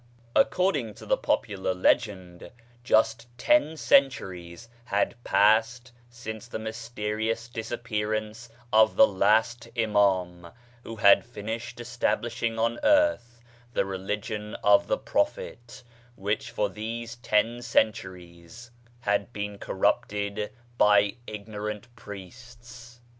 According to the popular legend, just ten centuries had passed since the mysterious disappearance of the last Imam, who had finished estab lishing on earth the religion of the Prophet which for these ten centuries had been corrupted by ignorant priests.